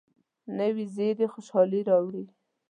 نوې زیري خوشالي راوړي